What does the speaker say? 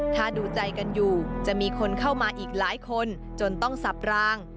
ถ้าดูใจกันอยู่จะมีคนเข้ามาอีกหลายคนจนต้องสับราง